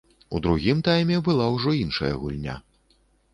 У другім тайме была ўжо іншая гульня.